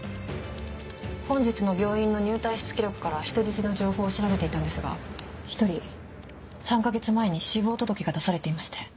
本日の病院の入退出記録から人質の情報を調べていたんですが１人３か月前に死亡届が出されていまして。